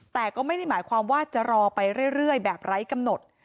แต่ก็ไม่ได้หมายความว่าจะรอไปเรื่อยแบบไร้กำหนด